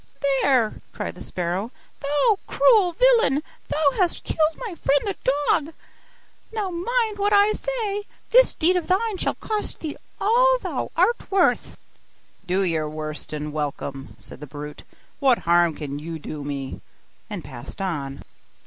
'There,' cried the sparrow, 'thou cruel villain, thou hast killed my friend the dog. Now mind what I say. This deed of thine shall cost thee all thou art worth.' 'Do your worst, and welcome,' said the brute, 'what harm can you do me?' and passed on.